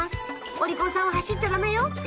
お利口さんは走っちゃダメよ！って